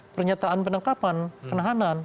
pernyataan penangkapan kenahanan